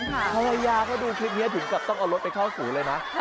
ธรรายาเพราะดูคลิปนี้ถึงต้องเอารถไปเข้าสูตรเลยนะ